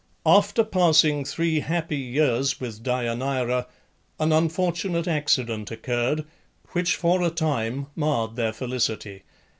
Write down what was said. After passing three happy years with Deianeira an unfortunate accident occurred, which for a time marred their felicity.